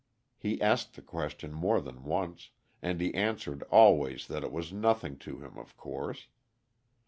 He asked the question more than once, and he answered always that it was nothing to him, of course.